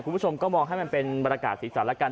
คุณผู้ชมก็มองให้มันเป็นบรรกาศศีรษะละกัน